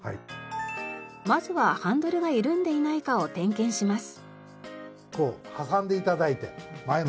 まずはハンドルが緩んでいないかを点検します。